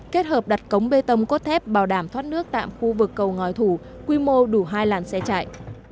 kết hợp đặt cống bê tông cốt thép bảo đảm thoát nước tạm khu vực cầu ngòi thủ quy mô đủ hai làn xe chạy